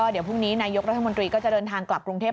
เดี๋ยวพรุ่งนี้นายกรัฐมนตรีก็จะเดินทางกลับกรุงเทพ